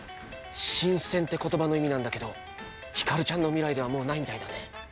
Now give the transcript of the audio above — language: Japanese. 「新鮮」って言葉の意味なんだけどヒカルちゃんの未来ではもうないみたいだね。